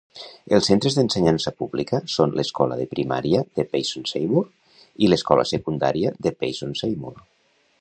Els centres d'ensenyança pública són l'escola de primària de Payson-Seymour i l'escola de secundària de Payson-Seymour.